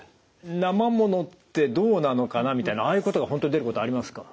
なまものってどうなのかなみたいなああいうことが本当に出ることありますか？